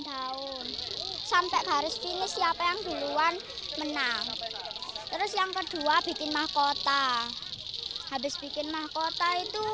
daun sampai garis finish siapa yang duluan menang terus yang kedua bikin mahkota habis bikin mahkota itu